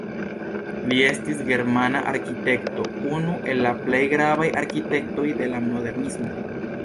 Li estis germana arkitekto, unu el la plej gravaj arkitektoj de la modernismo.